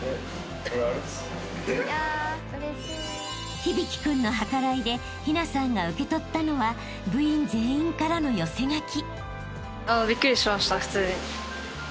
［響生君の計らいで陽奈さんが受け取ったのは部員全員からの寄せ書き］